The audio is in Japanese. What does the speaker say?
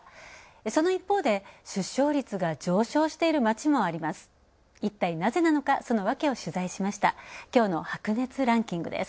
その一方で出生率が上昇している街もあります。